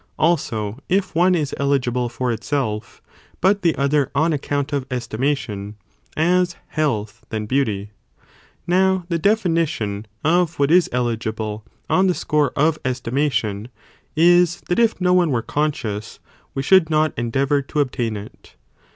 Also, if one is eligible for itself, but the other on account of estimation, as health than beauty. Now, the definition of what is eligible on the score of estimation, is that if no one were conscious, we should not endeavour to obtain it.!